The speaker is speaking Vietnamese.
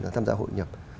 tham gia hội nhập